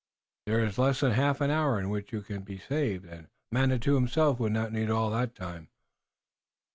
There is less than half an hour in which you can be saved, and Manitou himself would need all that time."